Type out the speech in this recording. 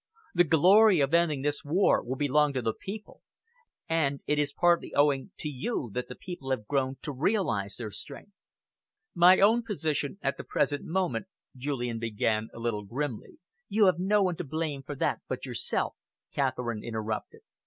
The glory of ending this war will belong to the people, and it is partly owing to you that the people have grown to realise their strength." "My own position at the present moment," Julian began, a little grimly!!!!! "You have no one to blame for that but yourself," Catherine interrupted.